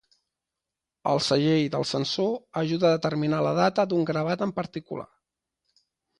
El segell del censor ajuda a determinar la data d'un gravat en particular.